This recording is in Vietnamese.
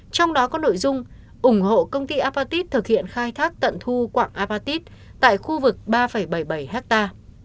trong đó có nội dung ủng hộ công ty apatis thực hiện khai thác tận thu quạng apatit tại khu vực ba bảy mươi bảy hectare